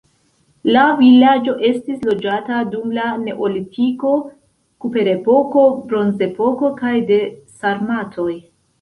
La vilaĝo estis loĝata dum la neolitiko, kuprepoko, bronzepoko kaj de sarmatoj.